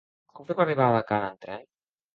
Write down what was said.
Com puc arribar a Alacant amb tren?